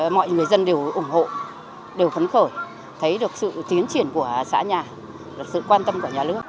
mọi người dân đều ủng hộ đều phấn khởi thấy được sự tiến triển của xã nhà được sự quan tâm của nhà nước